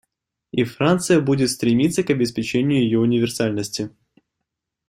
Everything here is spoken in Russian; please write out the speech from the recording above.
И Франция будет стремиться к обеспечению ее универсальности.